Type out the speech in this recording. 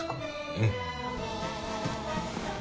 うん。